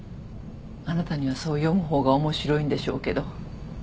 あなたにはそう読む方が面白いんでしょうけど。